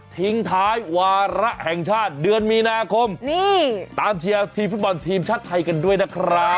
ทิ้งท้ายวาระแห่งชาติเดือนมีนาคมนี่ตามเชียร์ทีมฟุตบอลทีมชาติไทยกันด้วยนะครับ